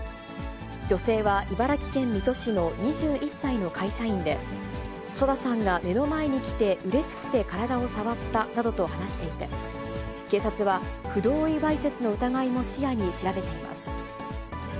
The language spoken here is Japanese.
女性は茨城県水戸市の２１歳の会社員で、ＳＯＤＡさんが目の前に来てうれしくて体を触ったなどと話していて、警察は不同意わいせつの疑いも視野に調べています。